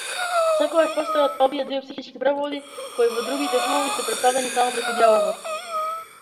Секогаш постојат овие психички преводи, кои во другите филмови се претставени само преку дијалогот.